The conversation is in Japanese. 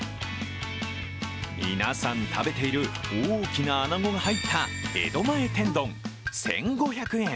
皆さん食べている、大きなあなごが入った江戸前天丼、１５００円。